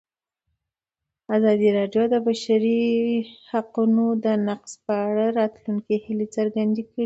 ازادي راډیو د د بشري حقونو نقض په اړه د راتلونکي هیلې څرګندې کړې.